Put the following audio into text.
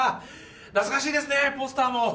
懐かしいですねポスターも。